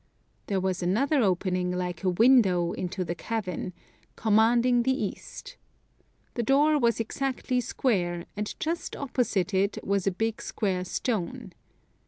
There was another opening, like a window, into the cavern, commanding the east The door was exactly square, and just opposite it was a big square stone.